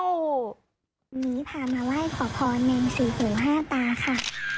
วันนี้พามาไล่ขอพรเมงสี่หูห้าตาค่ะ